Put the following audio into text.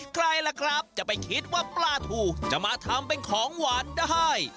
ใครล่ะครับจะไปคิดว่าปลาถูจะมาทำเป็นของหวานได้